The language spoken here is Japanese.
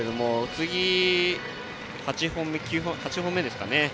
次、８本目ですかね。